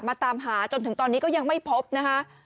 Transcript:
ตามหาจนถึงตอนนี้ก็ยังไม่พบนะคะ